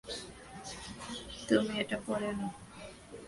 তুমি এটা পরে নাও।